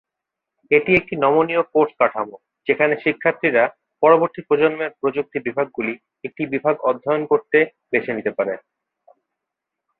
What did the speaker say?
এটি একটি নমনীয় কোর্স কাঠামো, যেখানে শিক্ষার্থীরা পরবর্তী প্রজন্মের প্রযুক্তি বিভাগগুলির একটি বিভাগ অধ্যয়ন করতে বেছে নিতে পারে।